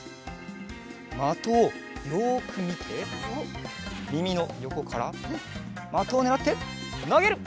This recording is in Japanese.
まとをよくみてみみのよこからまとをねらってなげる。